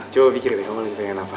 coba pikir deh kamu lagi pengen apa